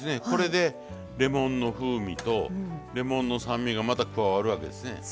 これでレモンの風味とレモンの酸味がまた加わるわけですね。